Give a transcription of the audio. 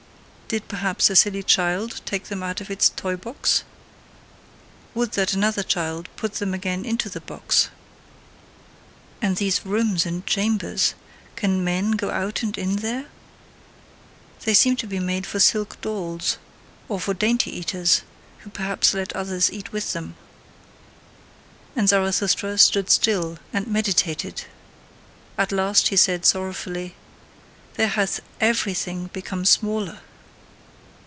Did perhaps a silly child take them out of its toy box? Would that another child put them again into the box! And these rooms and chambers can MEN go out and in there? They seem to be made for silk dolls; or for dainty eaters, who perhaps let others eat with them." And Zarathustra stood still and meditated. At last he said sorrowfully: "There hath EVERYTHING become smaller!